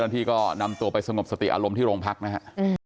สถานทีก็นำตัวไปสนมสติอารมณ์ที่โรงพยาบาลนะฮะ